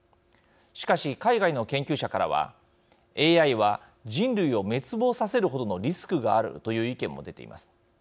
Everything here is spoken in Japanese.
しかし、海外の研究者からはＡＩは人類を滅亡させる程のリスクがあるという意見も出ています。